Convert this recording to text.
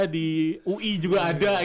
di ui juga ada